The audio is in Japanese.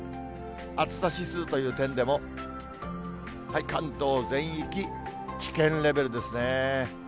暑さ指数という点でも、関東全域、危険レベルですね。